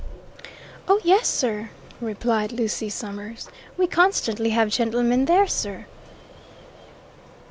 "Oh, yes sir!" replied Lucy Summers. "We constantly have gentlemen there, sir."